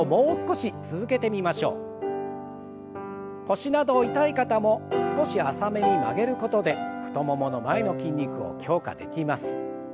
腰など痛い方も少し浅めに曲げることで太ももの前の筋肉を強化できます。